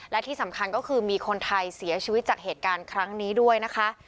และที่สำคัญก็คือมีคนไทยเสียชีวิตจากเหตุการณ์ครั้งนี้ด้วยนะคะ